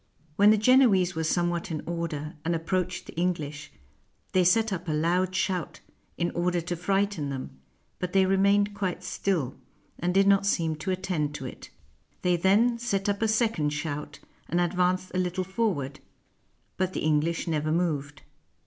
When the Genoese were somewhat in order, and approached the English, they set up a loud shout, in order to frighten them; but they remained quite still, and did not seem to attend to it. They then set up a second shout, and ad vanced a little forward; but the English never moved.